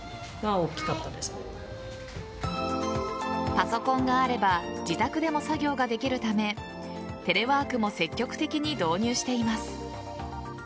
パソコンがあれば自宅でも作業ができるためテレワークも積極的に導入しています。